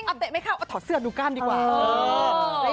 เอาเตะไม่เข้าเอาถอดเสื้อดูกล้ามดีกว่า